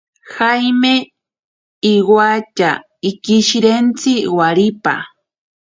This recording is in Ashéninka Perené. Jaime iwatya ikishirentsi waripa.